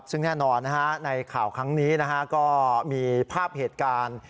ซึ่งแน่นอนในข่าวครั้งนี้ก็มีภาพเหตุการณ์